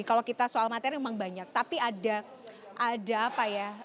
kalau kita soal materi memang banyak tapi ada apa ya